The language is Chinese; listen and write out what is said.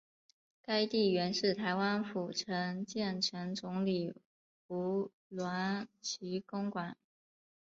该地原是台湾府城建城总理吴鸾旗公馆。